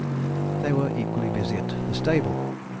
They were equally busy at the stable.